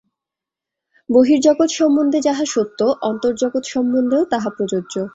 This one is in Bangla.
বহির্জগৎ সম্বন্ধে যাহা সত্য, অন্তর্জগৎ সম্বন্ধেও তাহা প্রযোজ্য।